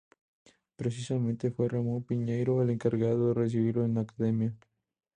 Precisamente fue Ramón Piñeiro el encargado de recibirlo en la Academia.